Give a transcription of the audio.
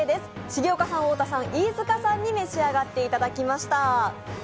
重岡さん、太田さん、飯塚さんに召し上がっていただきました。